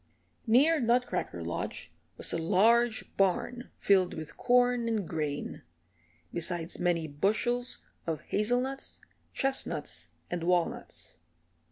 Near Nutcracker Lodge was a large barn filled with corn and grain, besides many bushels of hazelnuts, chestnuts and walnuts.